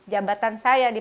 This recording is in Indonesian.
jabatan saya di